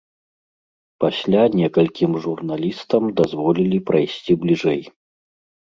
Пасля некалькім журналістам дазволілі прайсці бліжэй.